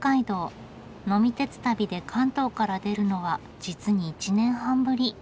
呑み鉄旅で関東から出るのは実に１年半ぶり。